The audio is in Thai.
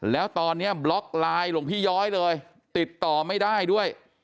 แล้วตอนนี้บล็อกไลน์หลวงพี่ย้อยเลยติดต่อไม่ได้ด้วย